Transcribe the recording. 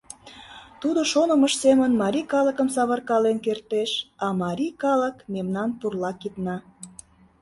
Тудо шонымыж семын марий калыкым савыркален кертеш, а марий калык — мемнан пурла кидна!..